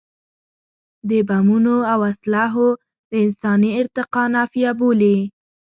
د بمونو او اسلحو د انساني ارتقا نفي بولي.